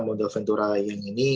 modal ventura yang ini